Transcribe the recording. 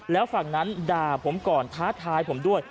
แล้วฝั่งนั้นด่าผมก่อนท้าทายผมด้วย